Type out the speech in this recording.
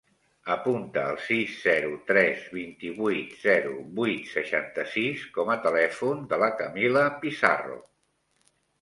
Apunta el sis, zero, tres, vint-i-vuit, zero, vuit, seixanta-sis com a telèfon de la Camila Pizarro.